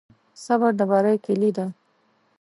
صبر د بری کلي ده.